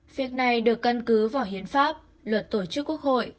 việc này được căn cứ vào hiến pháp luật tổ chức quốc hội